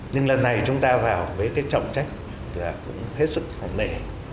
nhưng lần này chúng ta vào với cái trọng trách và cũng hết sức khổng lệ